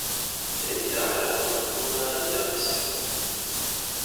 Ad iliɣ axiṛ d afṛux wama ad iliɣ d islem.